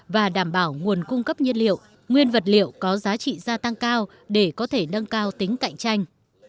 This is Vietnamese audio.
và đảm bảo nguồn cung cấp nhiên liệu nguyên vật liệu có giá trị gia tăng cao để có thể nâng cao tính cạnh tranh